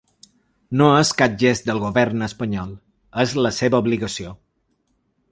No és cap gest del govern espanyol, és la seva obligació.